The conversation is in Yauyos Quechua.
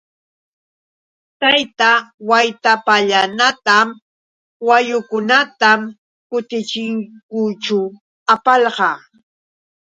Tayta Waytapallanatam wayukunata kutichiyćhu apalqaa.